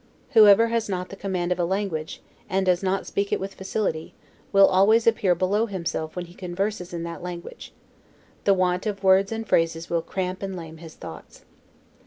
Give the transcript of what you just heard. Whoever has not the command of a language, and does not speak it with facility, will always appear below himself when he converses in that language; the want of words and phrases will cramp and lame his thoughts.